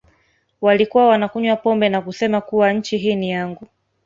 Walikuwa wanakunywa pombe na kusema kuwa nchi hii ni yangu